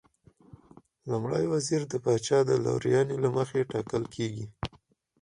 لومړی وزیر د پاچا د لورینې له مخې ټاکل کېږي.